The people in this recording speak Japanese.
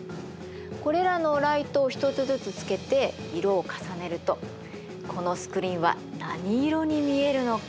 これらのライトを一つずつつけて色を重ねるとこのスクリーンは何色に見えるのか？